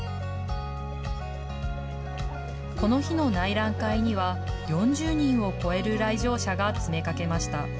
この日の内覧会には、４０人を超える来場者が詰めかけました。